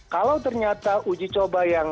kalau ternyata uji coba yang